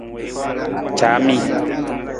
Caami.